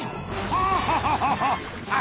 ああ！